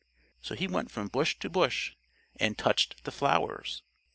So he went from bush to bush and touched the flowers.